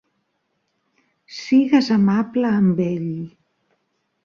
Sigues amable amb ell.